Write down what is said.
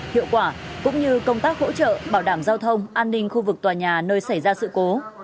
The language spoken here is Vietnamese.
hiệu quả cũng như công tác hỗ trợ bảo đảm giao thông an ninh khu vực tòa nhà nơi xảy ra sự cố